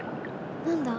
何だ？